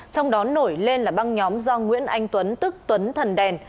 trong đó nổi lên là băng nhóm do nguyễn anh tuấn tức tuấn thần đèn